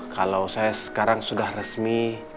kalau saya sekarang sudah resmi